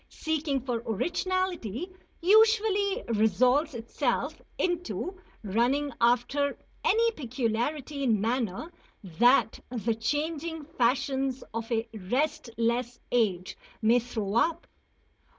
Seeking for originality usually resolves itself into running after any peculiarity in manner that the changing fashions of a restless age may throw up.